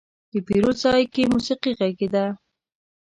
د پیرود ځای کې موسيقي غږېده.